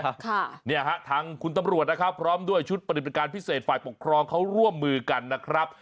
ค่ะเนี่ยฮะทางคุณตำรวจนะครับพร้อมด้วยชุดปฏิบัติการพิเศษฝ่ายปกครองเขาร่วมมือกันนะครับ